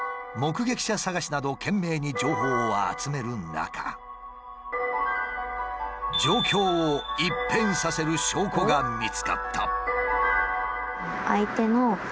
目撃者探しなど懸命に情報を集める中状況を一変させる証拠が見つかった。